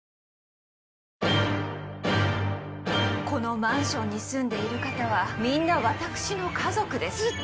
このマンションに住んでいる方はみんな私の家族です。